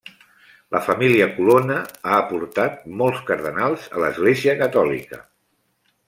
La família Colonna ha aportat molts cardenals a l'església catòlica.